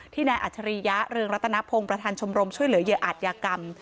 นายอัจฉริยะเรืองรัตนพงศ์ประธานชมรมช่วยเหลือเหยื่ออาจยากรรม